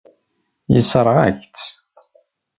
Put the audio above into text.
Yessṛeɣ-ak-tt.